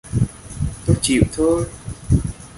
tôi chịu thôi